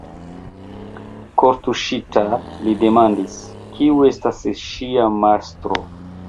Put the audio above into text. Kortuŝita, li demandis, kiu estas ŝia mastro.